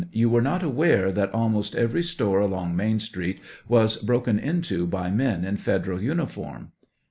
You were not aware that almost every store along Main Street was broken into by men in Federal uniform